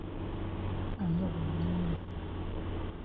I no go blame yi.